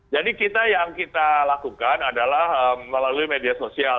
jadi kita yang kita lakukan adalah melalui media sosial